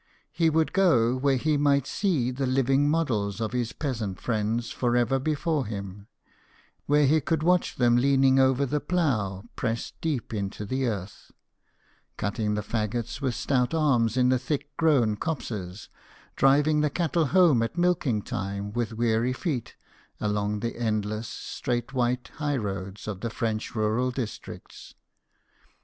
He would go where he might see the living models of his peasant friends for ever before him ; where he could watch them leaning over the plough pressed deep into the earth ; cutting the faggots with stout arms JEAN FRANQOIS MILLET, PAINTER. 129 in the thick grown copses ; driving the cattle home at milking time with weary feet, along the endless, straight white high roads of the French rural districts.